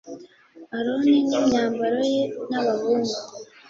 aroni n imyambaro ye n abahungu